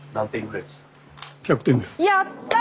やった！